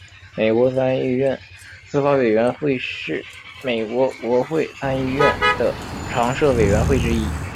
美国参议院司法委员会是美国国会参议院的常设委员会之一。